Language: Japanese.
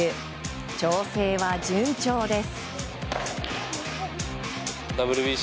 調整は順調です。